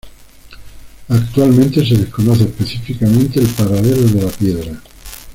Actualmente, se desconoce específicamente el paradero de la piedra.